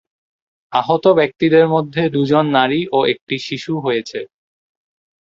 আহত ব্যক্তিদের মধ্যে দুজন নারী ও একটি শিশু হয়েছে।